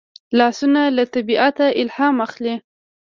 لاسونه له طبیعته الهام اخلي